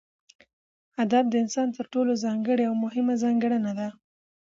ادب دانسان تر ټولو ځانګړې او مهمه ځانګړنه ده